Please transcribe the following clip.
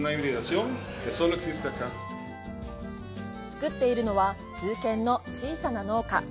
作っているのは数軒の小さな農家。